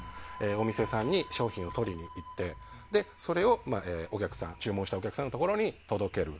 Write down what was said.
お店さんに商品を取りに行ってそれを注文したお客さんのところに届ける。